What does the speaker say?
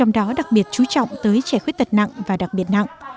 đặc biệt chú trọng tới trẻ khuyết tật nặng và đặc biệt nặng